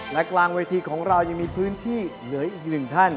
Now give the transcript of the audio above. และกลางเวทีของเรายังมีพื้นที่เหลืออีกหนึ่งท่าน